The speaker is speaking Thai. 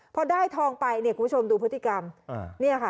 พอได้ทองไปเนี่ยคุณผู้ชมดูพฤติกรรมเนี่ยค่ะ